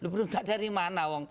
berontak dari mana